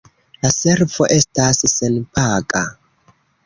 La servo estas senpaga.